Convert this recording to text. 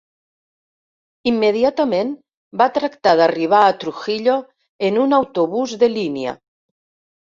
Immediatament va tractar d'arribar a Trujillo en un autobús de línia.